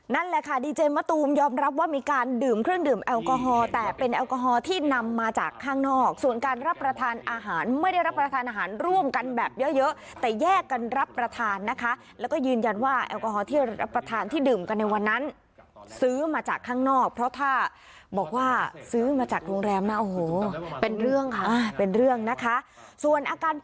นั่นแหละค่ะดีเจมส์มะตูมยอมรับว่ามีการดื่มเครื่องดื่มแอลกอฮอล์แต่เป็นแอลกอฮอล์ที่นำมาจากข้างนอกส่วนการรับประทานอาหารไม่ได้รับประทานอาหารร่วมกันแบบเยอะแต่แยกกันรับประทานนะคะแล้วก็ยืนยันว่าแอลกอฮอล์ที่รับประทานที่ดื่มกันในวันนั้นซื้อมาจากข้างนอกเพราะถ้าบอกว่าซื้อมาจาก